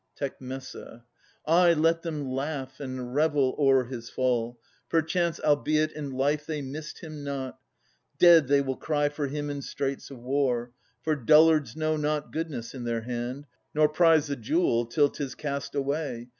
Tec. Ay, let them laugh and revel o'er his fall. Perchance, albeit in life they missed him not, Dead, they will cry for him in straits of war. For dullards know not goodness in their hand. Nor prize the jewel till 'tis cast away.